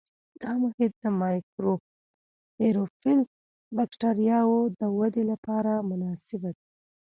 دا محیط د مایکروآیروفیل بکټریاوو د ودې لپاره مناسب دی.